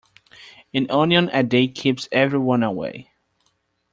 An onion a day keeps everyone away.